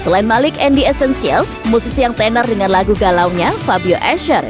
selain malik and the essentials musisi yang tenor dengan lagu galaunya fabio esher